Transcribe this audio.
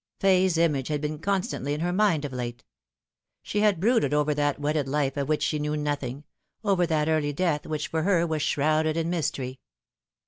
Fay's image had been constantly in her mind of late. She had brooded over that wedded life of which she knew nothing over that early death which for her was shrouded in mystery.